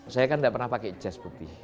saya kan enggak pernah pakai chest puppy